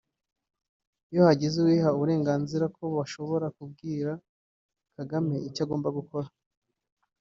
Iyo hagize uwiha uburenganzira ko bashobora kubwira Kagame icyo agomba gukora